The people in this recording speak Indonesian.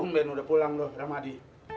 tunggu ben udah pulang loh ramadi